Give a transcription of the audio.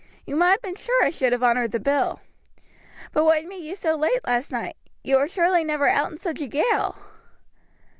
You might have been sure I should have honored the bill. But what made you so late last night? You were surely never out in such a gale!"